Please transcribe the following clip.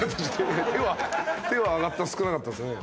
手は手は挙がったの少なかったですね。